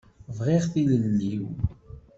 Bɣiɣ tilelli-w.